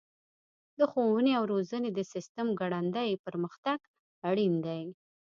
د ښوونې او روزنې د سیسټم ګړندی پرمختګ اړین دی.